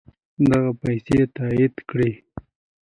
دغه پیسې تادیه کړي.